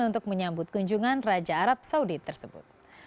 untuk menyambut kunjungan raja arab saudi tersebut